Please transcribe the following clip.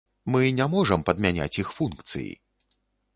Мы не можам падмяняць іх функцыі!